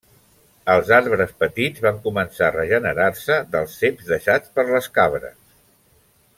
Els arbres petits van començar a regenerar-se dels ceps deixats per les cabres.